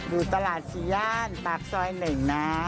อยู่ตลาดสี่ย่านตากซอยหนึ่งนะ